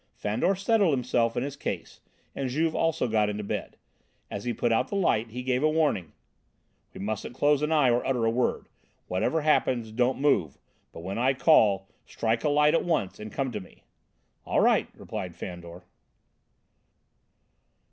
Fandor settled himself in his case and Juve also got into bed. As he put out the light he gave a warning. "We mustn't close an eye or utter a word. Whatever happens, don't move. But when I call, strike a light at once and come to me." "All right," replied Fandor.